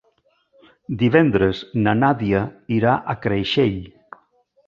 Divendres na Nàdia irà a Creixell.